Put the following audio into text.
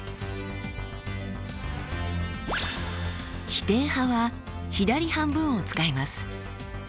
否定派は左半分を使います。